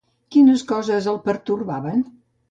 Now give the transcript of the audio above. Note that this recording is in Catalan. Quines coses el pertorbaven?